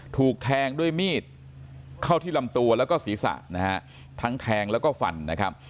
ถูกแทงด้วยมีดเข้าที่ลำตัวแล้วก็ศีรษะนะฮะทั้งแทงแล้วก็ฟันนะครับ